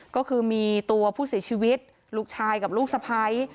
ก็คือมีตัวผู้เสียชีวิตลูกชายกับลูกสะพ้าย